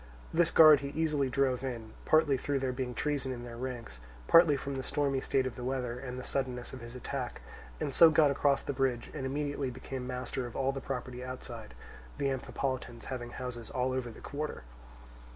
This guard he easily drove in, partly through there being treason in their ranks, partly from the stormy state of the weather and the suddenness of his attack, and so got across the bridge, and immediately became master of all the property outside; the Amphipolitans having houses all over the quarter.